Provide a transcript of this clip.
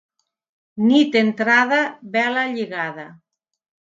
Nit entrada, vela lligada.